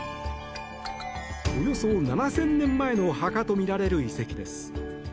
およそ７０００年前の墓とみられる遺跡です。